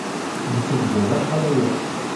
Msebḍan acḥal aya.